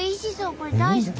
これ大好き。